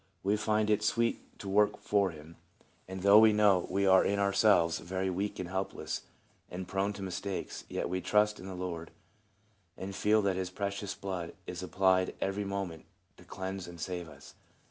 We find it sweet to work for him, and though we know we are in ourselves very weak and helpless, and prone to mistakes, yet we trust in the Lord, and feel that his precious blood is ap plied every moment to cleanse and save us.